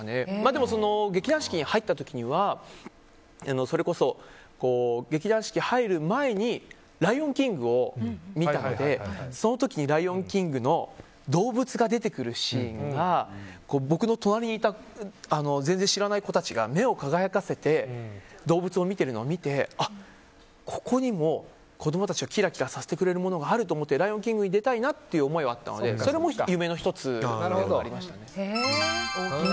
でも、劇団四季に入った時にはそれこそ劇団四季に入る前に「ライオンキング」を見たのでその時に「ライオンキング」の動物が出てくるシーンが僕の隣にいた全然知らない子たちが目を輝かせて動物を見ているのを見てここにも子供たちをキラキラさせてくれるものがあると思って「ライオンキング」に出たいなという思いもあったのでそれも夢の１つでありましたね。